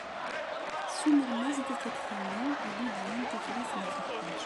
Tessumrem-as-d takti-nni i Lidya n Tifrit n At Lḥaǧ.